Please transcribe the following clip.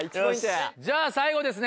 じゃあ最後ですね